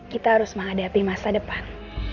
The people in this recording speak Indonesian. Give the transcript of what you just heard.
kita harus menghadapi masa depan